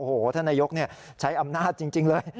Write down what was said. โอ้โหท่านนายกใช้อำนาจจริงเลย